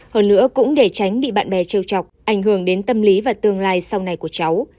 hơn nữa cũng để tránh bị bạn bè chiêu chọc ảnh hưởng đến tâm lý và tương lai sau này của cháu